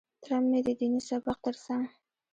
تره مې د ديني سبق تر څنګ.